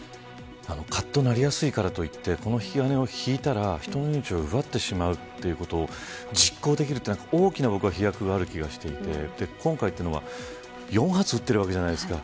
かっとなりやすいからといってこの引き金を引いたら人の命を奪ってしまうということ実行できるというのは大きな飛躍がある気がしていて今回は４発撃っているわけじゃないですか。